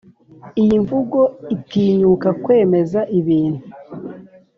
iyi mvugo itinyuka kwemeza ibintu